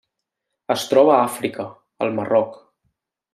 Es troba a Àfrica: el Marroc.